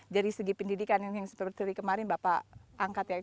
jadi segi pendidikan yang seperti kemarin bapak angkat ya